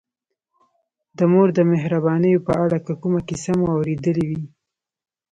د مور د مهربانیو په اړه که کومه کیسه مو اورېدلې وي.